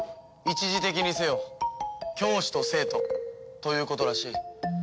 一時的にせよ教師と生徒ということらしい。